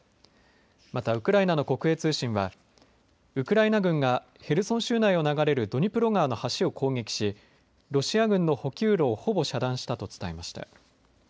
またウクライナの国営通信はウクライナ軍がヘルソン州内を流れるドニプロ川の橋を攻撃しロシア軍の補給路をほぼ遮断したと伝えました。